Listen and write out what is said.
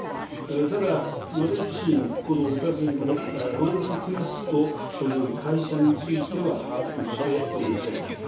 ただ、私自身、このお尋ねのワンズクエストという会社については、把握しておりません。